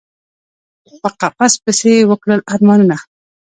په قفس پسي یی وکړل ارمانونه